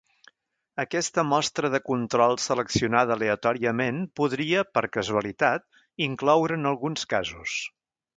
Aquesta mostra de control seleccionada aleatòriament podria, per casualitat, incloure'n alguns casos.